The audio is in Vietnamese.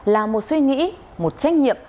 là một suy nghĩ một trách nhiệm